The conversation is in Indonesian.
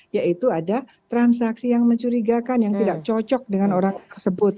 yaitu ada transaksi yang mencurigakan yang tidak cocok dengan orang tersebut